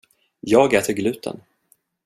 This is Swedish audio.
Jag äter gluten.